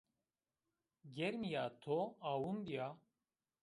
Germîya to awin bîya